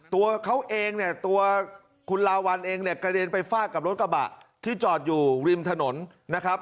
ตัวเขาเองเนี่ยตัวคุณลาวัลเองเนี่ยกระเด็นไปฟาดกับรถกระบะที่จอดอยู่ริมถนนนะครับ